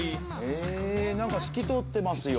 へえなんか透き通ってますよ。